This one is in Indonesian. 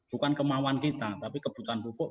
bukan kemauan kita tapi kebutuhan pupuk